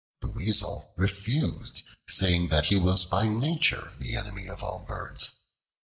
The Weasel refused, saying that he was by nature the enemy of all birds.